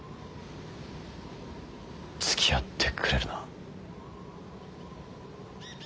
つきあってくれるな。